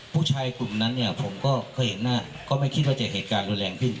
ผู้ชายกลุ่มนั้นเนี่ยผมก็เคยเห็นหน้าก็ไม่คิดว่าจะเหตุการณ์รุนแรงขึ้น